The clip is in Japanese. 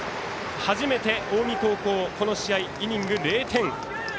初めて近江高校、この試合イニング、０点。